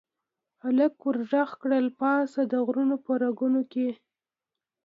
هلک ور ږغ کړل، پاس د غرونو په رګونو کې